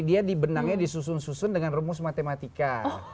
dia di benangnya disusun susun dengan rumus matematika